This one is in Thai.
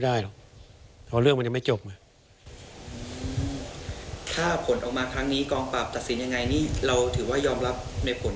นี่เราถือว่ายอมรับในผล